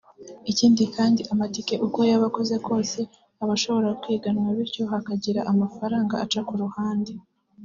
Ikindi kandi amatike uko yaba akoze kose aba ashobora kwiganwa bityo hakagira amafaranga aca ku ruhande